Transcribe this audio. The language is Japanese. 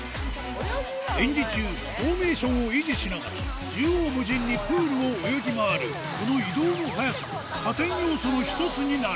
演技中、フォーメーションを維持しながら、縦横無尽にプールを泳ぎ回るこの移動の速さも加点要素の一つにな